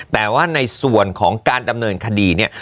แต่ว่าในส่วนของการดำเนินคดีเนี่ย